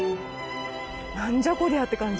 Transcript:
何じゃこりゃって感じ。